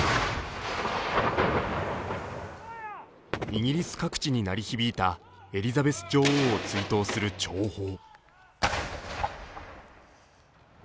イギリス各地に鳴り響いたエリザベス女王を追悼する弔砲。